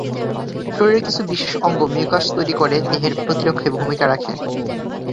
শরীরের কিছু বিশেষ অঙ্গ মিউকাস তৈরি করে দেহের প্রতিরক্ষায় ভূমিকা রাখে।